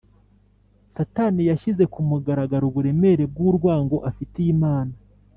, Satani yashyize ku mugaragaro uburemere bw’urwango afitiye Imana.